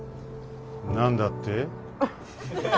何だって？